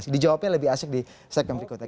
dijawabnya lebih asik di segmen berikutnya